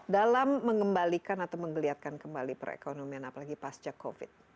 dalam mengembalikan atau menggeliatkan kembali perekonomian apalagi pasca covid